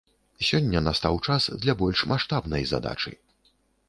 Сёння настаў час для больш маштабнай задачы.